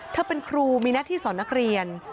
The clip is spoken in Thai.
เธอเป็นครูมีหน้าที่สอนนักเรียน